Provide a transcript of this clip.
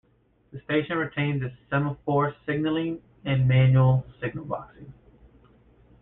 The station retains its semaphore signalling and manual signal box.